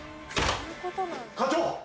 課長！